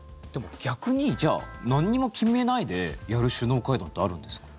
逆にじゃあ何も決めないでやる首脳会談ってあるんですか。